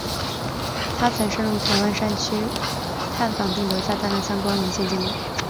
他曾深入台湾山区探访并留下大量相关文献纪录。